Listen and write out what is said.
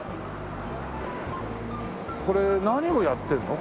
これ何をやってるの？